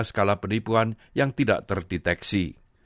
skala penipuan yang tidak terdeteksi